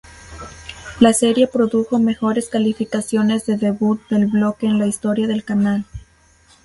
La serie produjo mejores calificaciones de debut del bloque en la historia del canal.